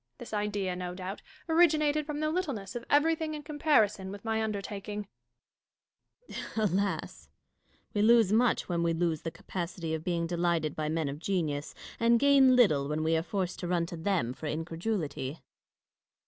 This idea, no doubt, originated from the littleness of everything in comparison with my undertaking. 92 IMAGINARY CONVERSATIONS. Dashkof. Alas ! we lose much when we lose the capacity of being delighted by men of genius, and gain little when we are forced to run to them for incredulity.